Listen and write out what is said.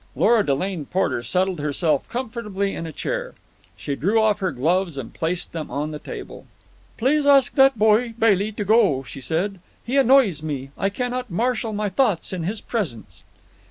Lora Delane Porter settled herself comfortably in a chair. She drew off her gloves and placed them on the table. "Please ask that boy Bailey to go," she said. "He annoys me. I cannot marshal my thoughts in his presence."